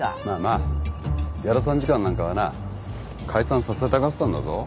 屋田参事官なんかはな解散させたがってたんだぞ。